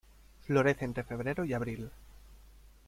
Florece entre febrero y abril.